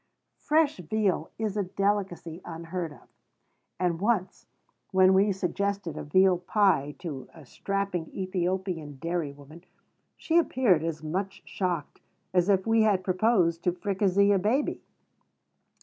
Fresh veal is a delicacy unheard of; and once, when we suggested a veal pie to a strapping Ethiopian dairy woman, she appeared as much shocked as if we had proposed to fricassee a baby.